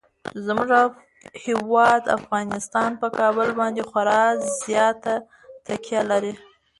زموږ هیواد افغانستان په کابل باندې خورا زیاته تکیه لري.